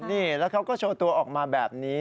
นี่แล้วเขาก็โชว์ตัวออกมาแบบนี้